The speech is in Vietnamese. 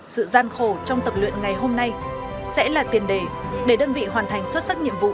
sự gian khổ trong tập luyện ngày hôm nay sẽ là tiền đề để đơn vị hoàn thành xuất sắc nhiệm vụ